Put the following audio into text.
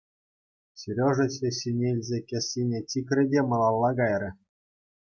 Сережа ҫӗҫҫине илсе кӗсьене чикрӗ те малалла кайрӗ.